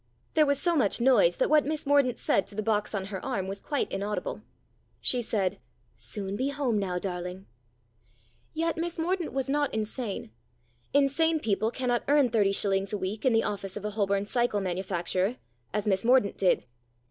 There was so much noise that what Miss Mordaunt said to the box on her arm was quite inaudible. She said :" Soon be home now, darling." Yet Miss Mordaunt was not insane. Insane people cannot earn thirty shillings a week in the office of a Holborn cycle manufacturer, as Miss Mordaunt did.